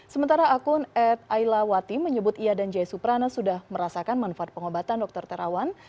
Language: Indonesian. sementara akun ad aila wati menyebut ia dan jaya suprana sudah merasakan manfaat pengobatan dokter terawan